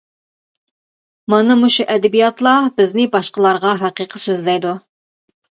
مانا مۇشۇ ئەدەبىياتلا بىزنى باشقىلارغا ھەقىقىي سۆزلەيدۇ.